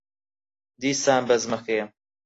دیسان بەزمەکەیە.